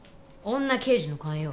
女刑事の勘よ。